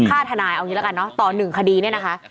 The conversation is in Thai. ค่าธนายเอาอย่างงี้ละกันเนาะต่อ๑คดีเนี่ยนะคะ